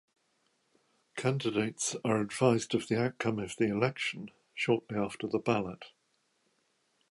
Candidates are advised of the outcome of the election shortly after the ballot.